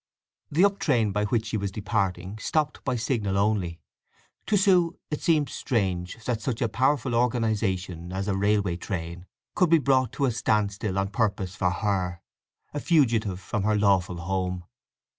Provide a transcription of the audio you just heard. The up train by which she was departing stopped by signal only. To Sue it seemed strange that such a powerful organization as a railway train should be brought to a stand still on purpose for her—a fugitive from her lawful home.